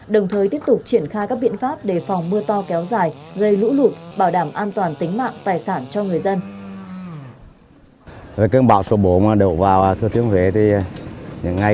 đồng thời tiếp tục triển khai các biện pháp đề phòng mưa to kéo dài gây lũ lụt bảo đảm an toàn tính mạng tài sản cho người dân